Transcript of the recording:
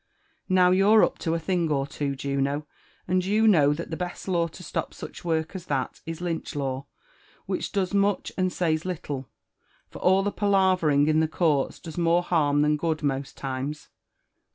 Novr you're up to a ihing or two,, Jiino, and you know that the best law to stop such work as that is Lynch Iaw, which does much and says htlle ; for all the palavering in the courts does noore harm than good most times.